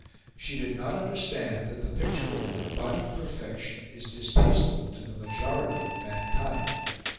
She did not understand that the picture of an embodied perfection is distasteful to the majority of mankind.